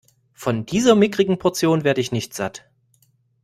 Von dieser mickrigen Portion werde ich nicht satt.